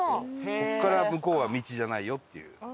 ここから向こうは道じゃないよっていう。